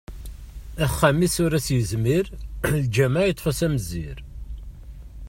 Axxam-is ur as-yezmir, lǧameɛ yeṭṭef-as amezzir!